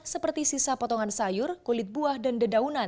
seperti sisa potongan sayur kulit buah dan dedaunan